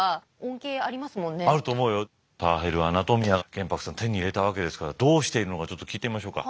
玄白さん手に入れたわけですからどうしているのかちょっと聞いてみましょうか。